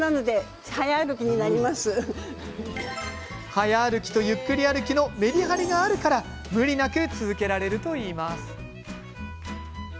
早歩きと、ゆっくり歩きのメリハリがあるから無理なく続けられるといいます。